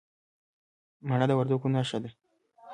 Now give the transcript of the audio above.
مڼه د وردګو نښه ده.